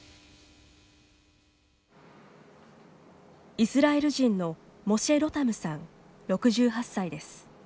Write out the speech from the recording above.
イスラエル人のモシェ・ロタムさん６８歳です。